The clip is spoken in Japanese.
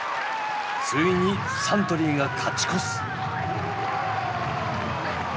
ついにサントリーが勝ち越す。